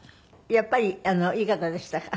やっぱりいい方でしたか？